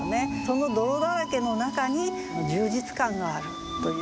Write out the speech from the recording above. その泥だらけの中に充実感があるということでね。